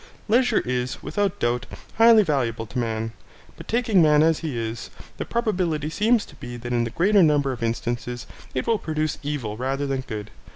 Leisure is, without doubt, highly valuable to man, but taking man as he is, the probability seems to be that in the greater number of instances it will produce evil rather than good.